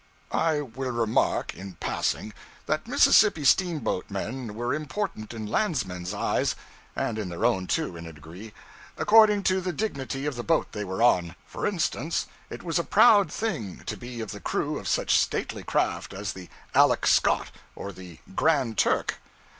I will remark, in passing, that Mississippi steamboatmen were important in landsmen's eyes (and in their own, too, in a degree) according to the dignity of the boat they were on. For instance, it was a proud thing to be of the crew of such stately craft as the 'Aleck Scott' or the 'Grand Turk.'